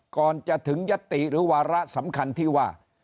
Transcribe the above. ก่อนจะถึงยัตติหรือวาระสำคัญที่ว่า